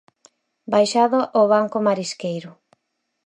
Baixada ao banco marisqueiro.